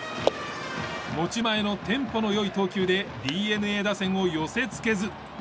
持ち前のテンポの良い投球でＤｅＮＡ打線を寄せ付けず。